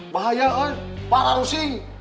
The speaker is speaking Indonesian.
bahaya parah rusih